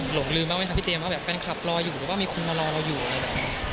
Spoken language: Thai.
หลงลืมบ้างไหมครับพี่เจมสว่าแบบแฟนคลับรออยู่หรือว่ามีคนมารอเราอยู่อะไรแบบนี้